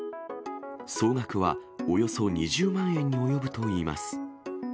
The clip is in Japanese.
総額は、およそ２０万円に及ぶといいます。